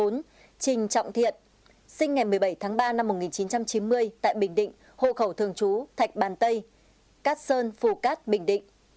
trình trọng thiện sinh ngày một mươi bảy tháng ba năm một nghìn chín trăm chín mươi tại bình định hộ khẩu thường trú thạch bàn tây cát sơn phù cát bình định